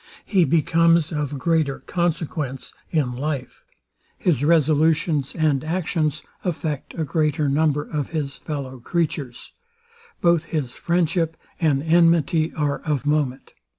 He becomes of greater consequence in life. His resolutions and actions affect a greater number of his fellow creatures. Both his friendship and enmity are of moment.